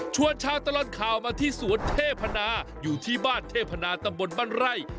ชาวตลอดข่าวมาที่สวนเทพนาอยู่ที่บ้านเทพนาตำบลบ้านไร่